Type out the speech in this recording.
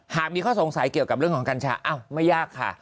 หากมีข้อสงสัยเกี่ยวกับเรื่องของกัญชาไม่ยากค่ะ